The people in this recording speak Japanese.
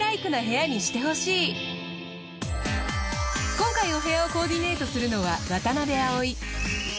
今回お部屋をコーディネートするのは渡邊あおい。